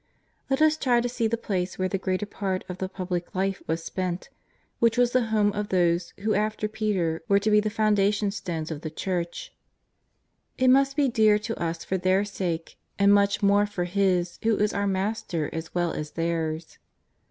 Let us try to see the place where the greater part of the Public Life was spent, which was the home of those who after Peter were to be the foundation stones of the Church. It must be dear to us for their sake, and much more for His who is our Master as well as theirs.